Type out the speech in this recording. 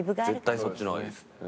絶対そっちの方がいいですね。